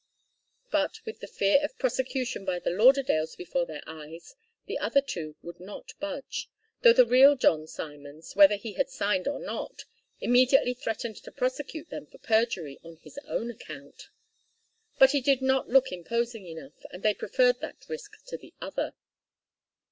But with the fear of prosecution by the Lauderdales before their eyes, the other two would not budge, though the real John Simons, whether he had signed or not, immediately threatened to prosecute them for perjury on his own account. But he did not look imposing enough, and they preferred that risk to the other.